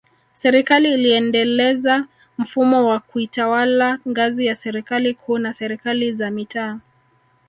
Serikali iliendeleza mfumo wa kiutawala ngazi ya Serikali Kuu na Serikali za Mitaa